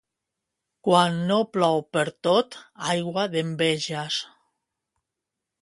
Quan no plou pertot, aigua d'enveges.